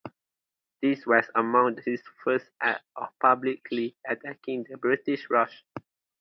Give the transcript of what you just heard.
This was among his first acts of publicly attacking the British Raj.